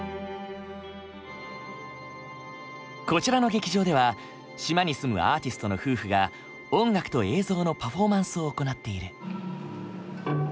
こちらの劇場では島に住むアーティストの夫婦が音楽と映像のパフォーマンスを行っている。